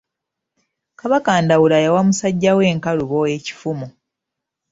Kabaka Ndawula yawa musajja we Nkalubo ekifumu.